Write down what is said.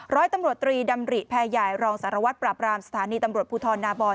ร้อยตำรวจตรีดำริแพรใหญ่รองสารวัตรปราบรามสถานีตำรวจภูทรนาบอย